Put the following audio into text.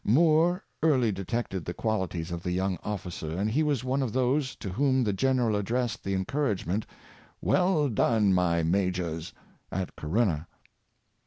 Moore early detected the qualities of the young officer; and he was one of those to whom the general addressed the encouragement, "Well done, my majors!" at Co runna.